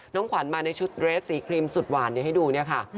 ขวัญมาในชุดเรสสีครีมสุดหวานให้ดูเนี่ยค่ะ